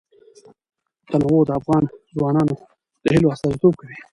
تنوع د افغان ځوانانو د هیلو استازیتوب کوي.